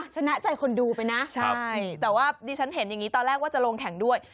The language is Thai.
ชนะใจคนดูไปนะใช่แต่ว่าดิฉันเห็นอย่างนี้ตอนแรกว่าจะลงแข่งด้วย